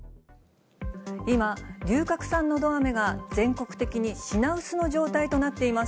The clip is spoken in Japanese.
今、龍角散のど飴が全国的に品薄の状態となっています。